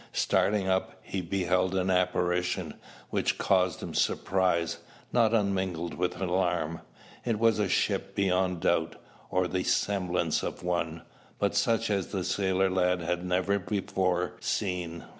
Starting up, he beheld an apparition, which caused him surprise, not unmingled with alarm. It was a ship beyond doubt, or the semblance of one, but such as the sailor lad had never before seen.